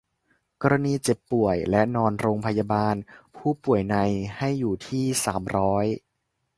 กรณีเจ็บป่วยและนอนโรงพยาบาล ผู้ป่วยใน ให้อยู่ที่ สามร้อย